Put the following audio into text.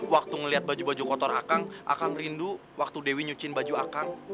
waktu ngelihat baju baju kotor akang akang rindu waktu dewi nyucin baju akang